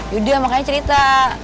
yaudah makanya cerita